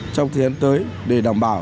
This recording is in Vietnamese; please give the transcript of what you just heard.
trong thời gian tới để đảm bảo